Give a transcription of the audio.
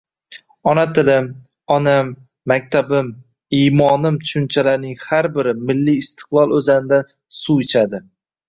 Ona tilim, onam, maktabim, iymonim tushunchalarining har biri milliy istiqlol oʻzanidan suv ichadi.